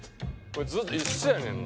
これずっと一緒やねん。